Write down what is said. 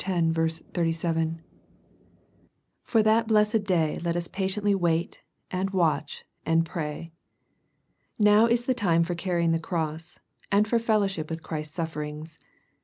37 ) For that blessed day let us patiently wait, and watch, and pray. Now is the time for carrying the cross,, and for fellowship with Christ's sufferings.